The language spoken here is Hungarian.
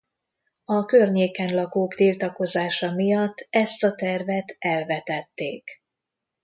A környéken lakók tiltakozása miatt ezt a tervet elvetették.